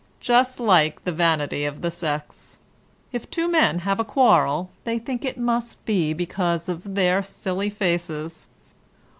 Just like the vanity of the sex. If two men have a quarrel, they think it must be because of their silly faces."